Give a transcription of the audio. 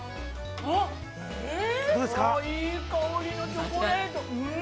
◆いい香りのチョコレート。